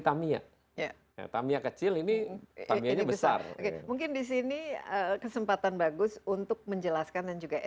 tamiya tamiya kecil ini tamiya nya besar mungkin di sini kesempatan bagus untuk menjelaskan dan juga